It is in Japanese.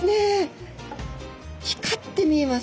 光って見えます。